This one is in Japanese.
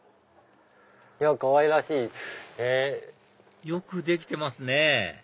かわいらしい！よくできてますね